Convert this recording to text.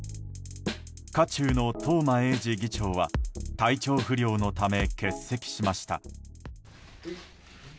渦中の東間永次議長は体調不良のため欠席しました。